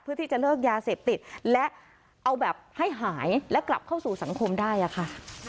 เพื่อที่จะเลิกยาเสพติดและเอาแบบให้หายและกลับเข้าสู่สังคมได้อะค่ะ